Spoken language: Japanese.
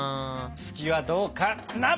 「月」はどうかな！